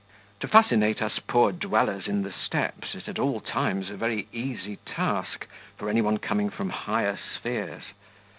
To fascinate us poor dwellers in the steppes is at all times a very easy task for any one coming from higher spheres.